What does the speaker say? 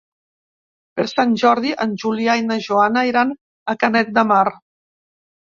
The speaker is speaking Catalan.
Per Sant Jordi en Julià i na Joana iran a Canet de Mar.